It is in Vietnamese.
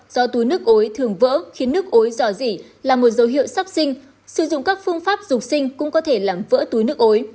do túi nước ối thường vỡ khiến nước ối dò dỉ là một dấu hiệu sắp sinh sử dụng các phương pháp dục sinh cũng có thể làm vỡ túi nước ối